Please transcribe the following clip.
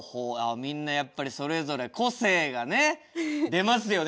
みんなやっぱりそれぞれ個性がね出ますよね